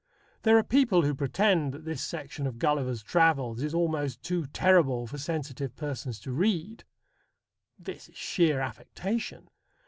There are people who pretend that this section of Gulliver's Travels is almost too terrible for sensitive persons to read. This is sheer affectation.